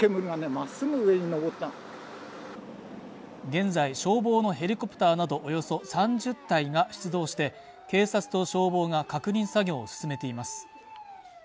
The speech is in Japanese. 現在消防のヘリコプターなどおよそ３０隊が出動して警察と消防が確認作業を進めています